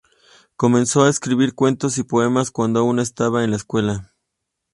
Comenzó a escribir cuentos y poemas cuando aún estaba en la escuela.